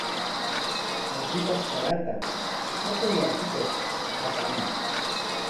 Mutipaq sarata hatun wasipik apamuy.